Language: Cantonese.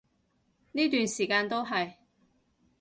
呢段時間都係